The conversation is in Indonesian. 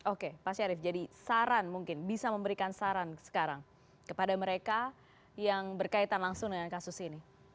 oke pak syarif jadi saran mungkin bisa memberikan saran sekarang kepada mereka yang berkaitan langsung dengan kasus ini